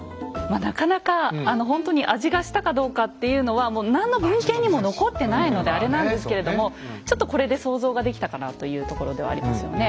なかなかほんとに味がしたかどうかっていうのはもう何の文献にも残ってないのであれなんですけれどもちょっとこれで想像ができたかなというところではありますよね。